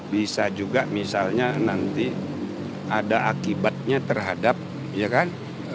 bisa juga misalnya nanti ada akibatnya terhadap ya kan